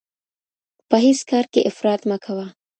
په هیڅ کار کي افراط مه کوه.